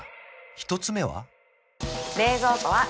１つ目は？